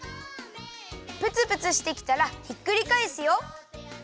プツプツしてきたらひっくりかえすよ。